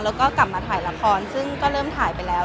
แล้วก็กลับมาถ่ายละครซึ่งก็เริ่มถ่ายไปแล้ว